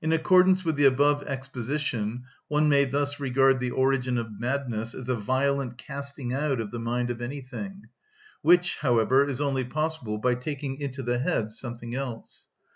In accordance with the above exposition one may thus regard the origin of madness as a violent "casting out of the mind" of anything, which, however, is only possible by "taking into the head" something else.